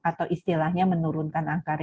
atau istilahnya menurunkan angka